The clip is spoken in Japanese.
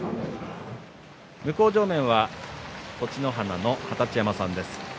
向正面は栃乃花の二十山さんです。